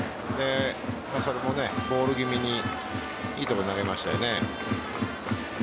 それもボール気味にいい所に投げましたよね。